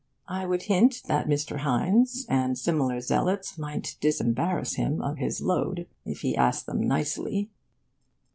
I would hint that Mr. Hines and similar zealots might disembarrass him of this load, if he asked them nicely.